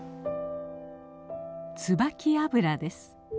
ツバキ油です。